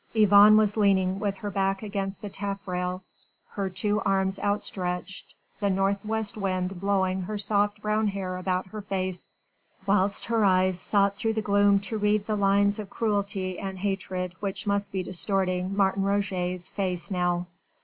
Yvonne was leaning with her back against the taffrail, her two arms outstretched, the north west wind blowing her soft brown hair about her face whilst her eyes sought through the gloom to read the lines of cruelty and hatred which must be distorting Martin Roget's face now.